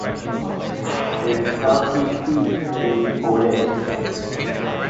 Its county seat is Baudette.